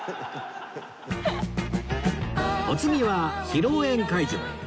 お次は披露宴会場へ